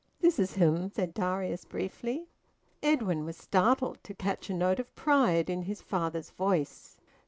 "This is him," said Darius briefly. Edwin was startled to catch a note of pride in his father's voice.